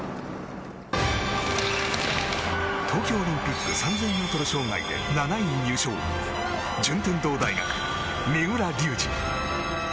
東京オリンピック３０００ｍ障害で７位入賞順天堂大学、三浦龍司。